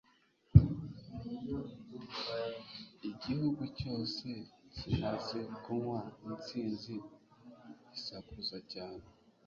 Igihugu cyose kimaze kumva intsinzi gisakuza cyane